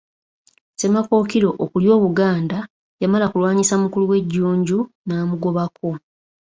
Ssemakookiro okulya Obuganda yamala kulwanyisa mukulu we Jjunju n'amugobako.